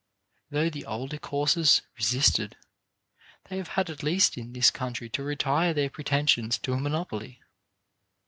Though the older courses resisted, they have had at least in this country to retire their pretensions to a monopoly.